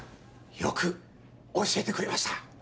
よく教えてくれました。